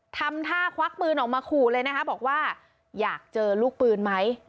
ทำท่าควักปืนออกมาขู่เลยนะคะบอกว่าอยากเจอลูกปืนไหม